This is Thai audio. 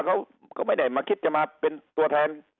เขาก็ไม่ได้มาคิดจะมาเป็นตัวแทน